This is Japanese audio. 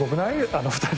あの２人。